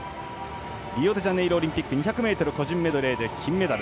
リオデジャネイロオリンピック２００ｍ個人メドレーで金メダル。